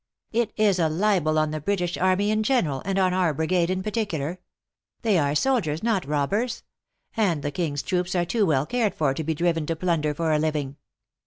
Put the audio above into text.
" It is a libel on the British army in general, and on our brigade in particular. They are soldiers, not rob bers ; and the king s troops are too well cared for to be driven to plunder for a living."